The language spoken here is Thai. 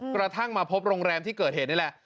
กระทั่งมาพบโรงแรมที่เกิดเหตุนี่แหละ